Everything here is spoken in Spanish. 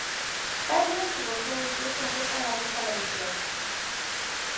Para el domingo los adultos se han preparado para desfilar.